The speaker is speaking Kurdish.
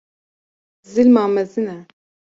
zilma mezin e.